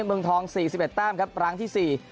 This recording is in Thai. เมืองทอง๔๑แต้มครับครั้งที่สี่